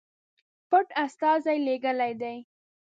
پټ استازي لېږلي دي.